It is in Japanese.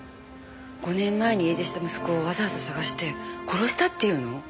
５年前に家出した息子をわざわざ捜して殺したって言うの？